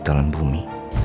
di dalam bumi